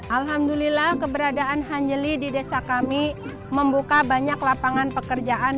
alhamdulillah keberadaan hanjeli di desa kami membuka banyak lapangan pekerjaan